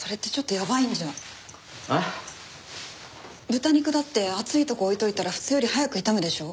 豚肉だって暑いとこ置いといたら普通より早く傷むでしょ。